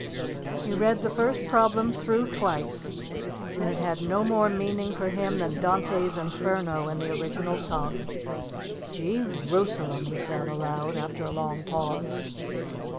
He read the first problem through twice, and it had no more meaning for him than Dante's Inferno in the original tongue. "Jee rusalem!" he said aloud after a long pause.